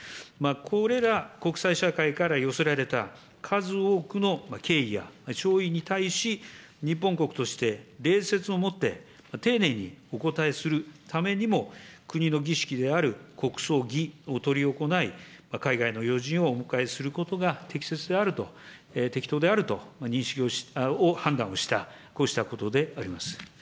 これら国際社会から寄せられた数多くの敬意や弔意に対し、日本国として礼節をもって、丁寧にお応えするためにも、国の儀式である国葬儀を執り行い、海外の要人をお迎えすることが適切であると、適当であると認識を、判断をした、こうしたことであります。